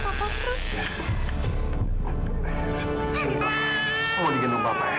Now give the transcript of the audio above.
sumpah mau digendong kapa ya